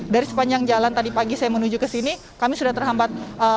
dari sepanjang jalan tadi pagi saya menuju ke sini kami sudah terhambat